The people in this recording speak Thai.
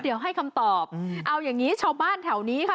เดี๋ยวให้คำตอบเอาอย่างงี้ชาวบ้านแถวนี้ค่ะ